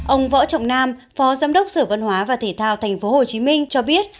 ông võ trọng nam phó giám đốc sở văn hóa và thể thao thành phố hồ chí minh cho biết